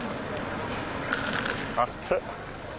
熱っ！